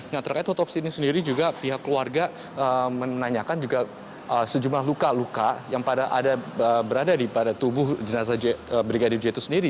nah terkait otopsi ini sendiri juga pihak keluarga menanyakan juga sejumlah luka luka yang berada di pada tubuh jenazah brigadir j itu sendiri